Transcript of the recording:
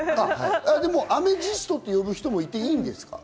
でもアメジストと呼ぶ人がいてもいいんですか？